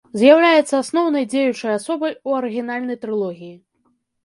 З'яўляецца асноўнай дзеючай асобай у арыгінальнай трылогіі.